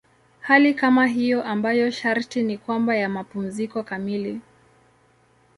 Hali kama hiyo ambayo sharti ni kwamba ya mapumziko kamili.